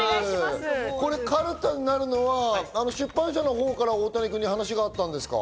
これかるたになるのは出版社のほうから大谷君に話があったんですか？